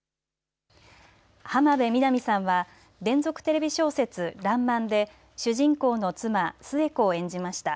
浜辺美波さんは連続テレビ小説、らんまんで主人公の妻寿恵子を演じました。